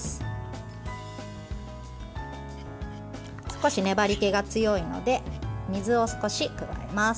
少し粘りけが強いので水を少し加えます。